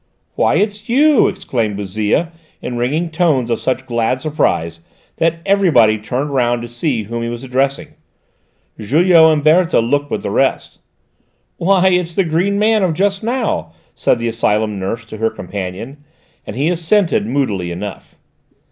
"Why, it's you!" exclaimed Bouzille, in ringing tones of such glad surprise that everybody turned round to see whom he was addressing. Julot and Berthe looked with the rest. "Why, it's the green man of just now," said the asylum nurse to her companion, and he assented, moodily enough.